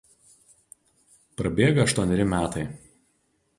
Prabėga aštuoneri metai.